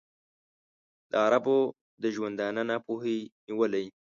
د عربو د ژوندانه ناپوهۍ نیولی.